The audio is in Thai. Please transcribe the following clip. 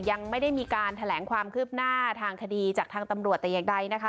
ยังไม่ได้มีการแถลงความคืบหน้าทางคดีจากทางตำรวจแต่อย่างใดนะคะ